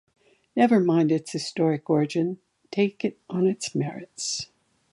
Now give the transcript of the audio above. Never mind its historic origin, take it on its merits.